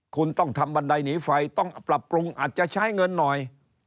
คุณต้องทำบันไดหนีไฟต้องปรับปรุงอาจจะใช้เงินหน่อย